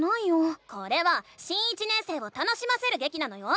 これは新１年生を楽しませるげきなのよ！